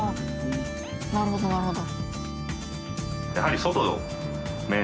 なるほどなるほど。